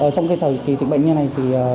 trong thời kỳ dịch bệnh như thế này